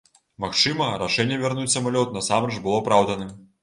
Магчыма, рашэнне вярнуць самалёт насамрэч было апраўданым.